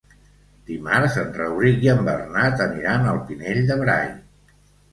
Dimarts en Rauric i en Bernat aniran al Pinell de Brai.